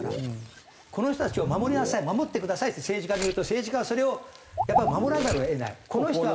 この人たちを守りなさい守ってくださいって政治家に言うと政治家はそれをやっぱり守らざるを得ない。